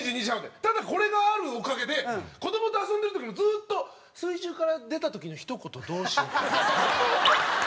ただこれがあるおかげで子供と遊んでる時もずっと水中から出た時のひと言どうしようかなとか。